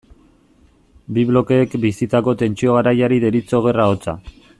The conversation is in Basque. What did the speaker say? Bi blokeek bizitako tentsio garaiari deritzo Gerra hotza.